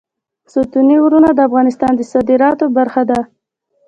ستوني غرونه د افغانستان د صادراتو برخه ده.